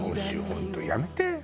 本当やめて！